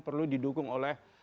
perlu didukung oleh